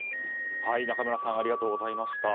仲村さんありがとうございました。